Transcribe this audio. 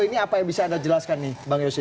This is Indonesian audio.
ini apa yang bisa anda jelaskan nih bang yose